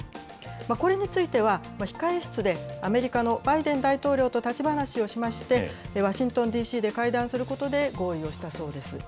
これについては、控え室でアメリカのバイデン大統領と立ち話をしまして、ワシントンＤＣで会談することで合意をしたそうです。